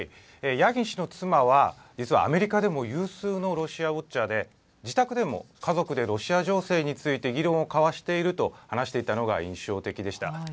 ヤーギン氏の妻は実はアメリカでも有数のロシアウォッチャーで自宅でも家族でロシア情勢について議論を交わしていると話していたのが印象的でした。